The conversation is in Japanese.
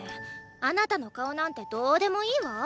あなたの顔なんてどーでもいーわ。